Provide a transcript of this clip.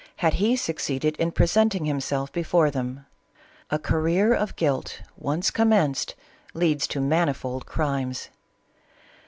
had he succeeded in pre senting himself before them. A career of guilt once commenced leads to manifold crimes.